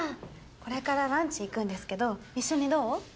これからランチ行くんですけど一緒にどう？